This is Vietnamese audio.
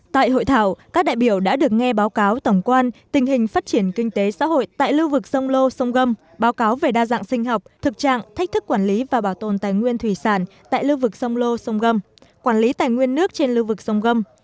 tại hội thảo các đại biểu đã được nghe báo cáo tổng quan tình hình phát triển kinh tế xã hội tại lưu vực sông lô sông gâm báo cáo về đa dạng sinh học thực trạng thách thức quản lý và bảo tồn tài nguyên thủy sản tại lưu vực sông lô sông gâm quản lý tài nguyên nước trên lưu vực sông gâm